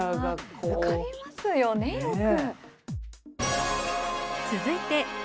浮かびますよねよく。